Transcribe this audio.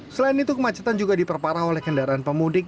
selain itu kemacetan juga diperparah oleh kendaraan pemudik